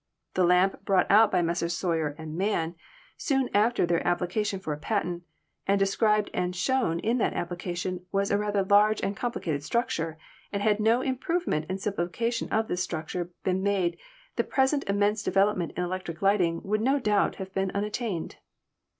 The lamp brought out by Messrs. Sawyer and Man, soon after their applica tion for a patent, and described and shown in that appli cation, was a rather large and complicated structure, and had no improvement and simplification of this structure been made the present immense development in electric lighting would no doubt have been unattained.